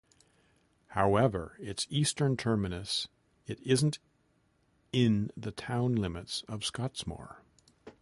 However, at its eastern terminus, it isn't in the town limits of Scottsmoor.